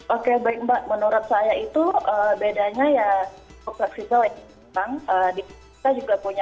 oke baik mbak menurut saya itu bedanya ya